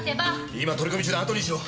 今取り込み中だあとにしろ。